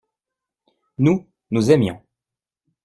Nous, nous aimions.